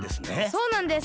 そうなんです。